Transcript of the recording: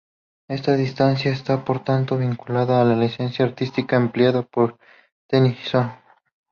Esta distancia está por tanto vinculada a la licencia artística empleada por Tennyson.